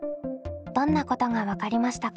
どんなことが分かりましたか？